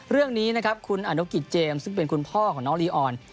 เรื่องนี้นะครับคุณอนุกิจเจมส์ซึ่งเป็นคุณพ่อของน้องลีออน